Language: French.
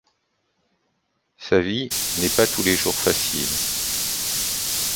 Sa vie n'est pas tous les jours facile...